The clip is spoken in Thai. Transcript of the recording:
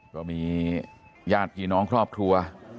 ก็มีญาติพี่น้องครอบครัว